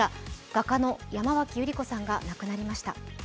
画家の山脇百合子さんが亡くなりました。